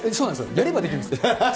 やればできるんですよ。